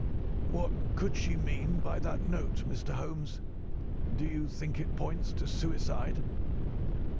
"What could she mean by that note, Mr. Holmes? Do you think it points to suicide?"